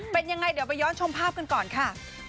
เป็นยังไงเดี๋ยวไปย้อนชมภาพกันก่อนค่ะ